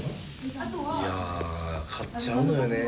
いや買っちゃうのよね